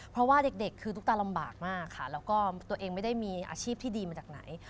เพราะว่าเด็กคือตุ๊กตาลำบากมากค่ะแล้วก็ตัวเองไม่ได้มีอาชีพที่ดีมาจากไหน